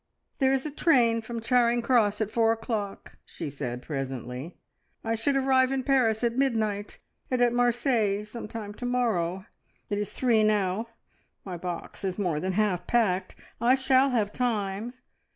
"There is a train from Charing Cross at four o'clock," she said presently. "I should arrive in Paris at midnight, and at Marseilles some time to morrow. It is three now. My box is more than half packed. I shall have time.